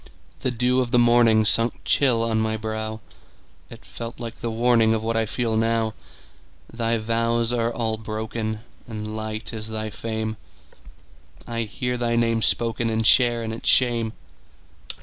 The dew of the morningSunk chill on my brow; It felt like the warningOf what I feel now. Thy vows are all broken, And light is thy fame:I hear thy name spokenAnd share in its shame.